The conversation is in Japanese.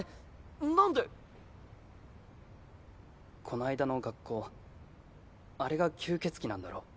この間の学校あれが吸血鬼なんだろ？